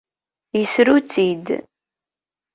Yessru-tt-id.